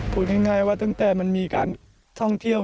พูดง่ายว่าตั้งแต่มันมีการท่องเที่ยว